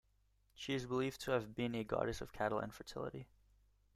She is believed to have been a goddess of cattle and fertility.